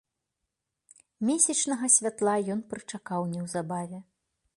Месячнага святла ён прычакаў неўзабаве.